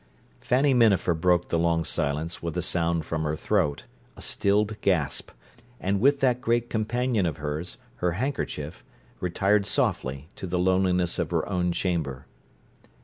Fanny Minafer broke the long silence with a sound from her throat, a stilled gasp; and with that great companion of hers, her handkerchief, retired softly to the loneliness of her own chamber.